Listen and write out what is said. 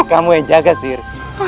kamu yang jaga sir